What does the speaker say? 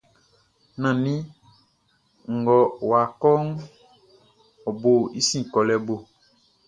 Nannin ngʼɔ́ wá kɔ́ʼn, ɔ bo i sin kɔlɛ bo.